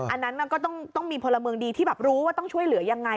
อันนั้นมันก็ต้องมีพลเมืองดีที่แบบรู้ว่าต้องช่วยเหลือยังไง